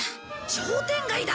商店街だ。